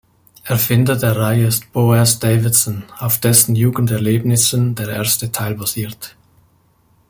Erfinder der Reihe ist Boaz Davidson, auf dessen Jugend-Erlebnissen der erste Teil basiert.